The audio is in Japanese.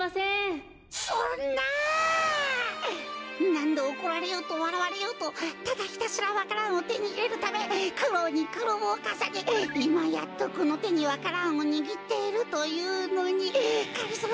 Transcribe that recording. なんどおこられようとわらわれようとただひたすらわか蘭をてにいれるためくろうにくろうをかさねいまやっとこのてにわか蘭をにぎっているというのにがりぞーさまにそれをはかいしろというのか！